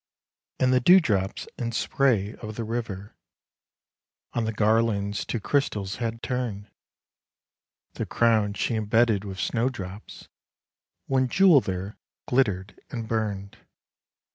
And the dewdrops and spray of the river On the garlands to crystals had turned, The crown she embedded with snow drops, One jewel there glittered and burned.